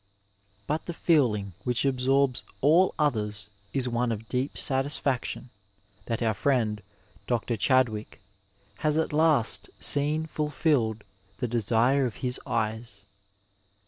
But the feeling which absorbs all others is one of deep satisfaction that our friend. Dr. Chadwick, has at last seen fulfilled the desire of his eyes.